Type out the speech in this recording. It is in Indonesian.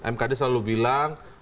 mkd selalu bilang